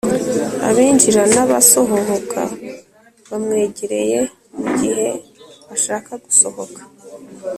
abinjira n abasohohoka bamwegereye mu gihe ashaka gusohoka